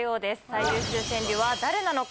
最優秀川柳は誰なのか？